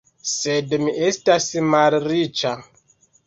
Sed mi estas malriĉa.